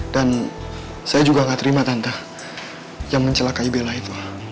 dan saya juga tidak terima tante yang mencelakai bela itu